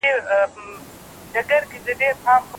مونږ بايد له تېرو پېښو څخه عبرت واخلو.